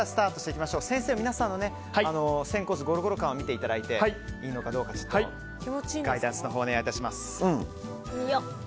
先生、皆さんの仙骨ゴロゴロ感を見ていただいていいのかどうかガイダンスをお願いいたします。